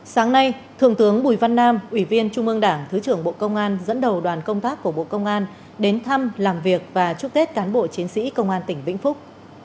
sáng nay thượng tướng bùi văn nam ủy viên trung ương đảng thứ trưởng bộ công an dẫn đầu đoàn công tác của bộ công an đến thăm làm việc và chúc tết cán bộ chiến sĩ công an tỉnh vĩnh phúc